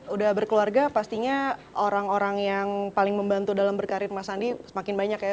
udah berkeluarga pastinya orang orang yang paling membantu dalam berkarir mas andi semakin banyak ya